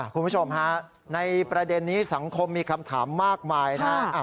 คุณผู้ชมฮะในประเด็นนี้สังคมมีคำถามมากมายนะ